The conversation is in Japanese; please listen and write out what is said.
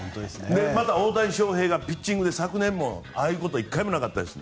また大谷翔平がピッチングで昨年ああいうことは１回もなかったです。